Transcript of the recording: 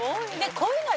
こういうのは。